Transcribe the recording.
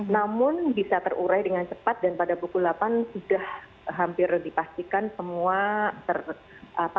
namun bisa terurai dengan cepat dan pada pukul delapan sudah hampir dipastikan semua ter